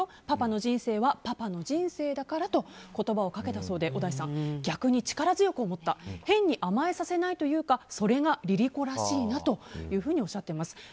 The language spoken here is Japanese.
パパの人生はパパの人生だからと言葉をかけたそうで小田井さんは逆に力強く思った変に甘えさせないというかそれがＬｉＬｉＣｏらしいなとおっしゃっています。